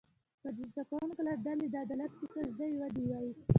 که د زده کوونکو له ډلې د عدالت کیسه زده وي و دې وایي.